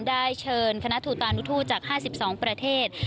ได้เชิญคณะทูตานุทูตจาก๕๒ประเทศ